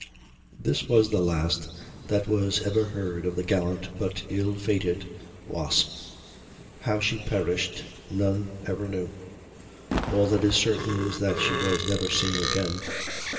This was the last that was ever heard of the gallant but ill fated Wasp. How she perished none ever knew; all that is certain is that she was never seen again.